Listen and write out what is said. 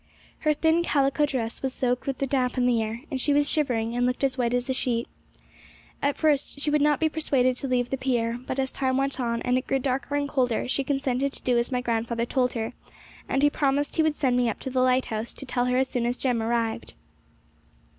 Her thin calico dress was soaked with the damp in the air, and she was shivering, and looked as white as a sheet. At first she would not be persuaded to leave the pier; but, as time went on, and it grew darker and colder, she consented to do as my grandfather told her, and he promised he would send me up to the lighthouse to tell her as soon as Jem arrived.